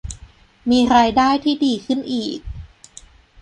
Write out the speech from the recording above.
มีรายได้ที่ดีขึ้นอีก